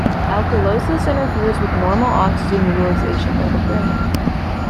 Alkalosis interferes with normal oxygen utilization by the brain.